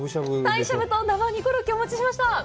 鯛しゃぶと生うにコロッケお持ちしました。